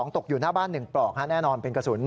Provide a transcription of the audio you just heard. ตกอยู่หน้าบ้าน๑ปลอกแน่นอนเป็นกระสุน